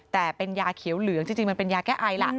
แต่เป็นยาเขียวเหลืองจริงมันเป็นยาแก้ไอล่ะ